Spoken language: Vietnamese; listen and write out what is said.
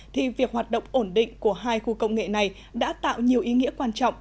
thì việc hoạt động ổn định của hai khu công nghệ này đã tạo nhiều ý nghĩa quan trọng